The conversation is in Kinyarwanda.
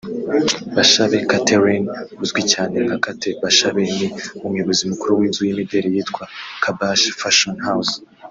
Bashabe Catherine uzwi cyane nka Kate Bashabe ni umuyobozi mukuru w’inzu y’imideri yitwa Kabash Fashion House